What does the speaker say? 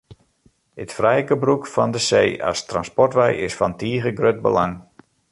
It frije gebrûk fan de see as transportwei is fan tige grut belang.